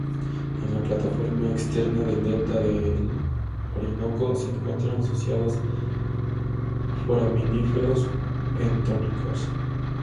En la plataforma externa del delta del Orinoco se encuentran asociados foraminíferos bentónicos.